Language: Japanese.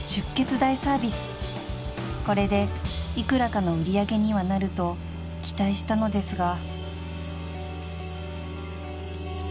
［これで幾らかの売り上げにはなると期待したのですが］